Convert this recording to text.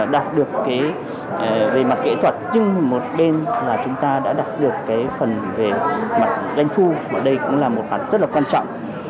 đạt được về mặt kỹ thuật nhưng một bên là chúng ta đã đạt được phần về mặt doanh thu và đây cũng là một phần rất quan trọng